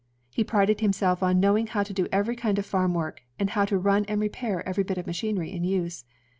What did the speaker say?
He prided himself on knowing how to do every kind of farm work, and how to run and repair every bit of machinery in use.